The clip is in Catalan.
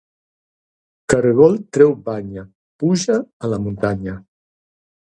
Cargol treu banya, puja a la muntanya